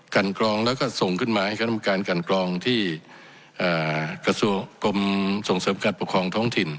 กันกรองแล้วก็ส่งขึ้นมาให้คณะกรรมการกันกรองที่กระทรวงกรมส่งเสริมการปกครองท้องถิ่น